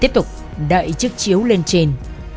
tiếp đó kéo nạn nhân vào nhà tắm